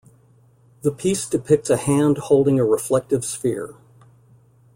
The piece depicts a hand holding a reflective sphere.